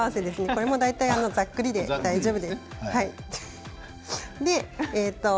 これもざっくりで大丈夫です。